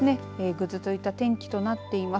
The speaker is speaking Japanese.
ぐずついた天気となっています。